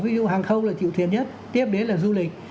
ví dụ hàng không là triệu tiền nhất tiếp đến là du lịch